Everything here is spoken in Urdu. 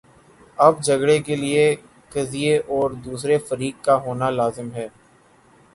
اب جھگڑے کے لیے قضیے اور دوسرے فریق کا ہونا لازم ہے۔